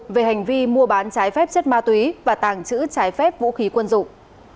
về hành vi mua bán trái phép chất ma túy và tàng trữ trái phép vũ khí quân dụng